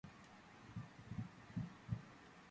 კლუბი საბჭოთა პირველი ლიგის მეორე ლიგაში ასპარეზობდა.